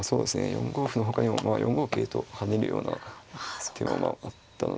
４五歩のほかにも４五桂と跳ねるような手もあったので。